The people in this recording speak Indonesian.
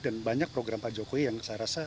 dan banyak program pak jokowi yang saya rasa